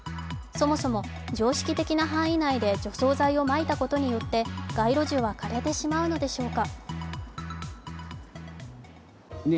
そもそも、常識的な範囲内で除草剤をまいたことによって街路樹は枯れてしまうのでしょうか？